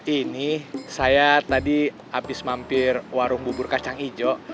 ini saya tadi habis mampir warung bubur kacang hijau